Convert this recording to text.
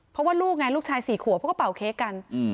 เพราะว่าลูกไงลูกชาย๔ขวบเขาก็เป่าเค้กกัน